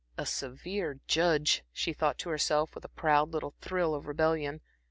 "A severe judge," she thought to herself with a proud little thrill of rebellion.